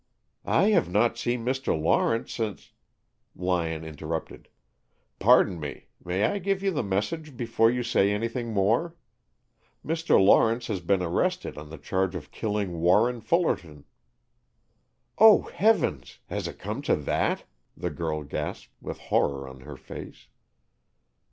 "I have not seen Mr. Lawrence since " Lyon interrupted. "Pardon me, may I give you the message before you say anything more? Mr. Lawrence has been arrested on the charge of killing Warren Fullerton " "Oh, heavens, has it come to that?" the girl gasped, with horror on her face.